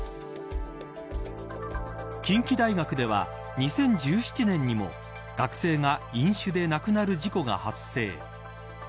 近畿大学では２０１７年にも学生が飲酒で亡くなる事故が発生。